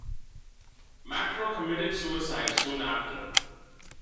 Macro committed suicide soon after.